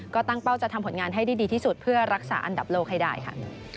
ก็ตั้งเป้าจะทำผลงานให้ได้ดีที่สุดเพื่อรักษาอันดับโลกให้ได้ค่ะ